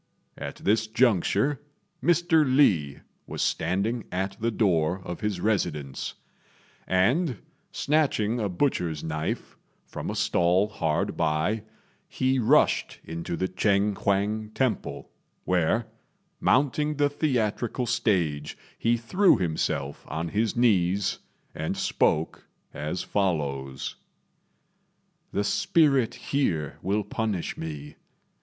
At this juncture Mr. Li was standing at the door of his residence; and snatching a butcher's knife from a stall hard by, he rushed into the Ch'êng huang temple, where, mounting the theatrical stage, he threw himself on his knees, and spoke as follows: "The spirit here will punish me.